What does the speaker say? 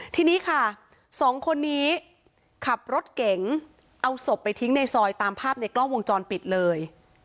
ทีนี้ค่ะสองคนนี้ขับรถเก๋งเอาศพไปทิ้งในซอยตามภาพในกล้องวงจรปิดเลย